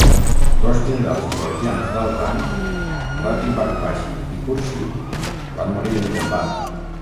Dos generals georgians d'alt rang, Rati Baghvashi i Khursi, van morir en combat.